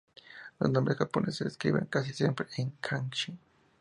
Los nombres japoneses se escriben casi siempre en "kanji".